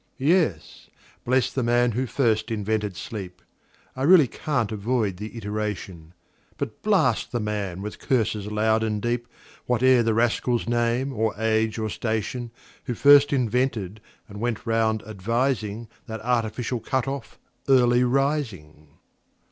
Yes; bless the man who first invented sleep(I really can't avoid the iteration),But blast the man, with curses loud and deep, Whate'er the rascal's name, or age, or station, Who first invented, and went round advising, That artificial cut off, Early Rising!